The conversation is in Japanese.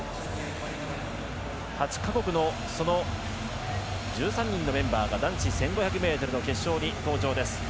８か国の１３人のメンバーが男子１５００ｍの決勝に登場です。